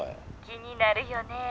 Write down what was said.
「気になるよね」。